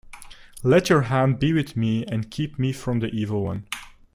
Let your hand be with me, and keep me from the evil one.